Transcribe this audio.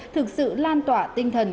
thực sự lan tỏa tinh thần